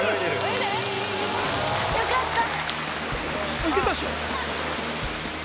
よかった。